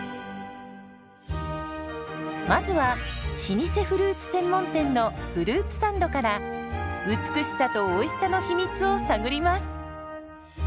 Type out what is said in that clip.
まずは老舗フルーツ専門店のフルーツサンドから美しさとおいしさの秘密を探ります。